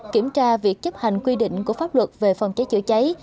kiểm tra việc chấp hành quy định của pháp luật về phòng cháy chữa cháy